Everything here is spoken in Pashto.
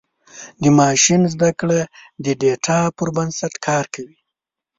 د ماشین زدهکړه د ډیټا پر بنسټ کار کوي.